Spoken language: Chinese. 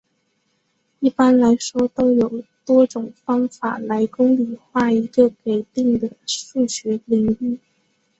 一般来说都有多种方法来公理化一个给定的数学领域。